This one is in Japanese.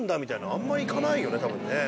あんま行かないよね多分ね。